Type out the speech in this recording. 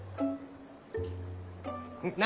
何？